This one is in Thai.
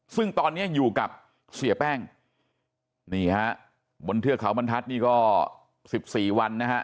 ซึ่งตอนนี้อยู่กับเสียแป้งนี่ฮะบนเทือกเขาบรรทัศน์นี่ก็๑๔วันนะฮะ